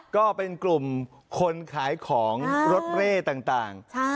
ก็เป็นกลุ่มคนขายของรถเร่ต่าง